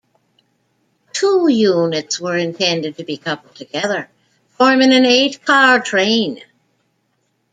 Two units were intended to be coupled together, forming an eight-car train.